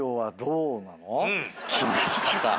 きましたか。